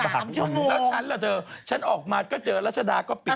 แล้วฉันล่ะเธอฉันออกมาก็เจอรัชดาก็ปิด